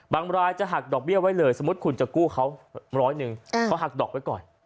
รายจะหักดอกเบี้ยไว้เลยสมมุติคุณจะกู้เขาร้อยหนึ่งเขาหักดอกไว้ก่อน